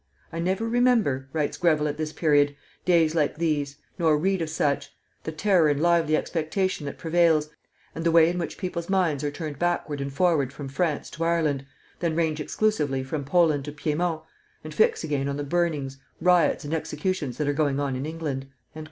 "I never remember," writes Greville at this period, "days like these, nor read of such, the terror and lively expectation that prevails, and the way in which people's minds are turned backward and forward from France to Ireland, then range exclusively from Poland to Piedmont, and fix again on the burnings, riots, and executions that are going on in England."